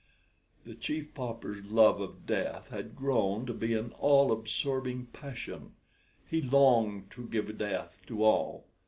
The Chief Pauper's love of death had grown to be an all absorbing passion. He longed to give death to all.